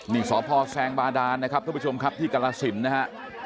นี่สพแซงบาดานนะครับทุกผู้ชมครับที่กรสินนะฮะ